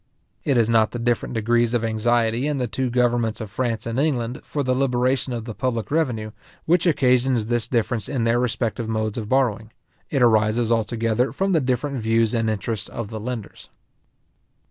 It is not the different degrees of anxiety in the two governments of France and England for the liberation of the public revenue, which occasions this difference in their respective modes of borrowing; it arises altogether from the different views and interests of the lenders.